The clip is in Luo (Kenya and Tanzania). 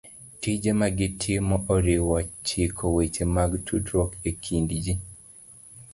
Tije ma gitimo oriwo chiko weche mag tudruok e kind ji.